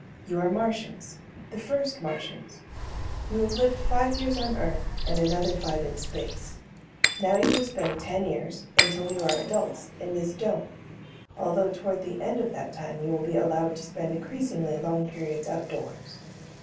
You are Martians, the first Martians. You have lived five years on Earth and another five in space. Now you will spend ten years, until you are adults, in this dome, although toward the end of that time you will be allowed to spend increasingly long periods outdoors.